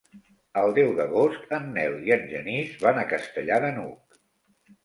El deu d'agost en Nel i en Genís van a Castellar de n'Hug.